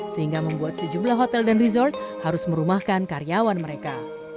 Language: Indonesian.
sehingga membuat sejumlah hotel dan resort harus merumahkan karyawan mereka